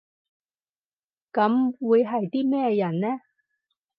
噉會係啲咩人呢？